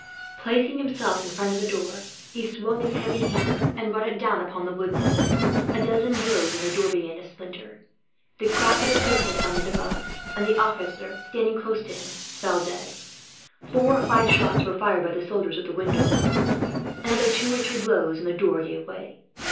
Placing himself in front of the door, he swung his heavy hammer and brought it down upon the woodwork. A dozen blows, and the door began to splinter. The crack of a pistol sounded above, and the officer standing close to him fell dead. Four or five shots were fired, by the soldiers, at the window above. Another two or three blows, and the door gave way.